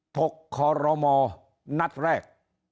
ถกขอรมณ์นัดแรก